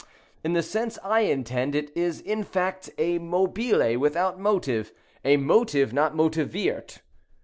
In the sense I intend, it is, in fact, a mobile without motive, a motive not motivirt.